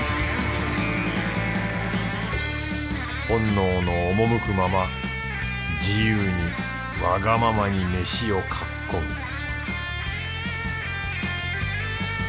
本能の赴くまま自由にわがままに飯をかっこむ